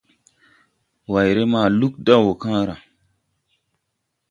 Wayre ma lug wo da woo kããra.